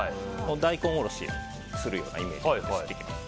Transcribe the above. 大根おろしするようなイメージですっていきます。